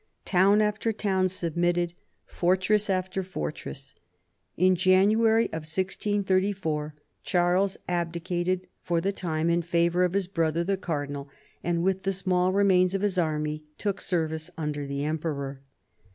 Town after town submitted, fortress THE CARDINAL 251 after fortress. In January 1634 Charles abdicated for the time in favour of his brother the Cardinal, and with the small remains of his army took service under the Emperor.